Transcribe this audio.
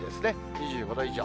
２５度以上。